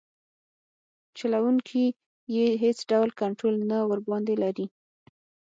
چلوونکي یې هیڅ ډول کنټرول نه ورباندې لري.